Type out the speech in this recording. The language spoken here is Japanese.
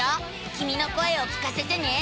きみの声を聞かせてね。